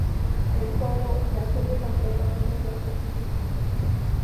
El juego, y la serie completa, tiene dos posibles finales.